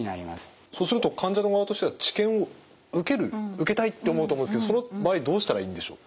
そうすると患者の側としては治験を受ける受けたいって思うと思うんですけどその場合どうしたらいいんでしょう？